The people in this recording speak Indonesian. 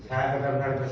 saya tidak pernah bersalah